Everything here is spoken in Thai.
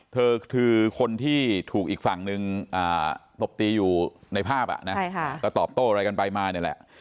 เธอคือคนที่ถูกอีกฝั่งนึงตบตีอยู่ในภาพก็ตอบโต้อะไรกันไปมานี่แหละ